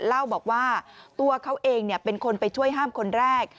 เล่าบอกว่าตัวเขาเองเป็นคนไปช่วยห้ามคนแรก